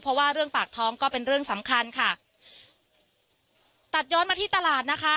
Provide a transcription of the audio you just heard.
เพราะว่าเรื่องปากท้องก็เป็นเรื่องสำคัญค่ะตัดย้อนมาที่ตลาดนะคะ